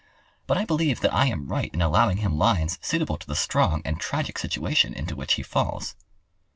But I believe that I am right in allowing him lines suitable to the strong and tragic situation into which he falls."